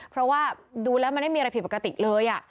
เพราะว่าดูแล้วมันไม่มีอะไรผิดปกติเลย